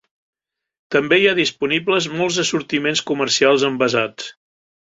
També hi ha disponibles molts assortiments comercials envasats.